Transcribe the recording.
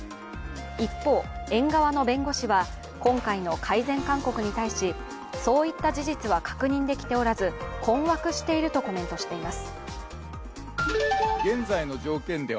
一方、園側の弁護士は、今回の改善勧告に対しそういった事実は確認できておらず困惑しているとコメントしています。